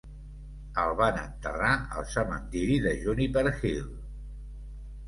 El van enterrar al cementiri de Juniper Hill.